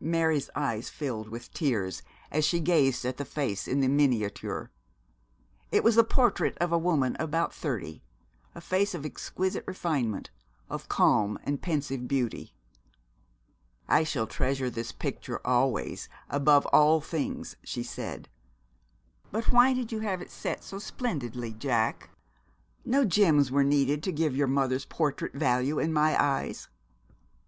Mary's eyes filled with tears as she gazed at the face in the miniature. It was the portrait of a woman of about thirty a face of exquisite refinement, of calm and pensive beauty. 'I shall treasure this picture always, above all things,' she said: but 'why did you have it set so splendidly, Jack? No gems were needed to give your mother's portrait value in my eyes.'